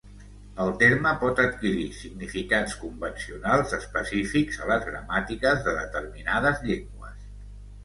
El terme pot adquirir significats convencionals específics a les gramàtiques de determinades llengües.